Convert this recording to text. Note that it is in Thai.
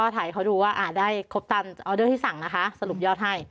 ถ่ายเขาดูว่าได้ครบตามออเดอร์ที่สั่งนะคะสรุปยอดให้